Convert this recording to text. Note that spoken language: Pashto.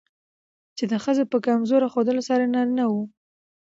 چې د ښځو په کمزور ښودلو سره نارينه وو